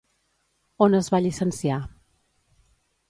On es va llicenciar?